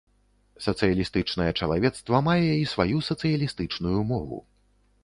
Сацыялістычнае чалавецтва мае і сваю сацыялістычную мову.